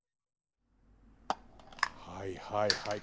はいはいはい。